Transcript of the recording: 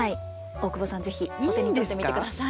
大久保さん是非お手に取ってみてください。